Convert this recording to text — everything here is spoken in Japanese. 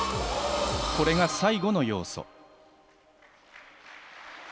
これが最後の要素。